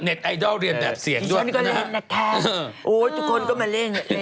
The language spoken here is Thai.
เน็ตไอดอลเรียนแบบเสียงด้วยนะครับนะครับนะครับดิฉันก็เล่นนะครับ